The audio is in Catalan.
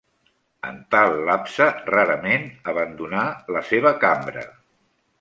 En tal lapse, rarament abandonà la seva cambra.